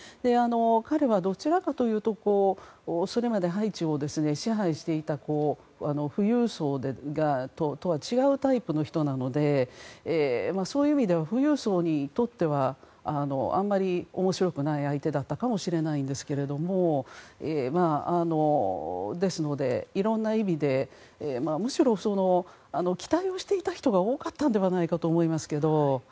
彼はどちらかというとそれまでハイチを支配していた富裕層とは違うタイプの人なのでそういう意味では富裕層にとってはあんまりおもしろくない相手だったかもしれないんですけどですので、いろんな意味でむしろ期待をしていた人が多かったのではないかと思いますけど。